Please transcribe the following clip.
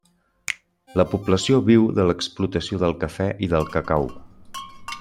La població viu de l'explotació del cafè i del cacau.